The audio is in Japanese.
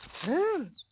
うん。